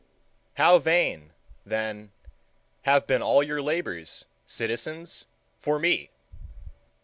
How vain, then, have been all your labors, citizens, for me!